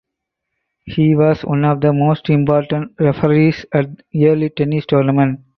He was one of the most important referees at early tennis tournaments.